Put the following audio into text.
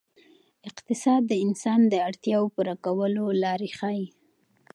اقتصاد د انسان د اړتیاوو پوره کولو لارې ښيي.